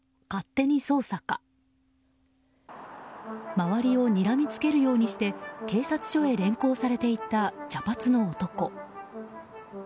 周りをにらみつけるようにして警察署へ連行されていった茶髪の男。